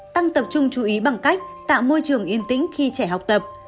tăng tập trung chú ý bằng cách tạo môi trường yên tĩnh khi trẻ học tập